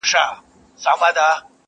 که د سپینو اوبو جام وي ستا له لاسه،